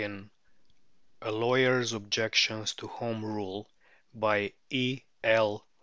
] A LAWYER'S OBJECTIONS TO HOME RULE. BY E.L.